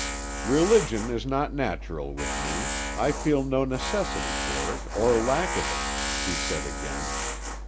"Religion is not natural with me: I feel no necessity for it or lack of it," he said again.